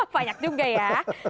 banyak juga ya